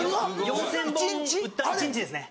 ４０００本売った一日ですね。